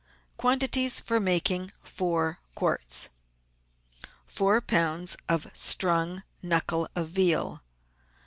— Quantities for making Four Quart';. 4 lbs. of strung knuckle of veal.